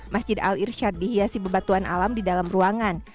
masjid al irshad dihiasi bebatuan alam di dalam ruangan